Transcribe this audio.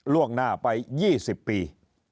ล่วงหน้าไป๒๐ปี